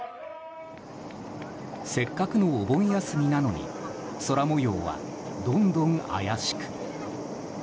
せっかくのお盆休みなのに空模様はどんどん怪しく。